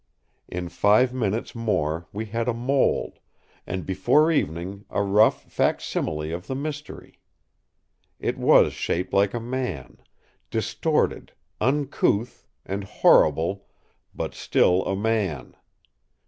In five minutes more we had a mould, and before evening a rough fac simile of the Mystery. It was shaped like a man distorted, uncouth, and horrible, but still a man.